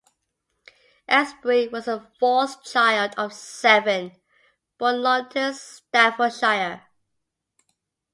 Astbury was the fourth child of seven, born in Longton, Staffordshire.